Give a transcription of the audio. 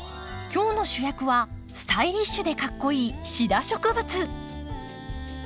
今日の主役はスタイリッシュでかっこいいシダ植物。